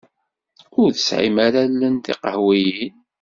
Ur tesɛim ara allen tiqehwiyin.